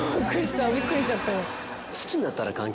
びっくりしちゃった。